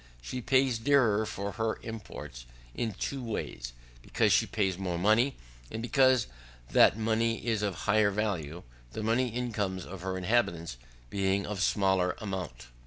She pays dearer for her imports, in two ways, because she pays more money, and because that money is of higher value, the money incomes of her inhabitants being of smaller amount.